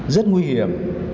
rất nguy hiểm